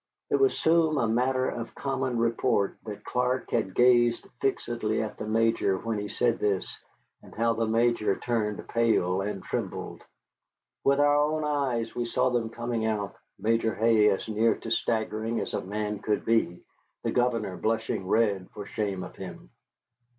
It was soon a matter of common report how Clark had gazed fixedly at the Major when he said this, and how the Major turned pale and trembled. With our own eyes we saw them coming out, Major Hay as near to staggering as a man could be, the governor blushing red for shame of him.